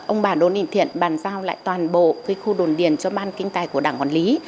ông bà đỗ đình thiện bàn giao lại toàn bộ khu đồn điền cho ban kinh tài của đảng quản lý